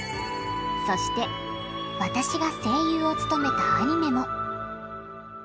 そして私が声優を務めたアニメも。